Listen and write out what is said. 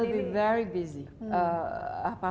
kita akan sangat sibuk